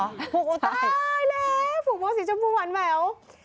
ได้เลยผูกโบสีชมพูวันแวว